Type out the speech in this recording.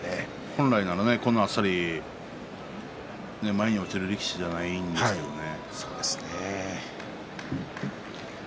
本来ならこんなにあっさり前に落ちる力士ではないんですけどね。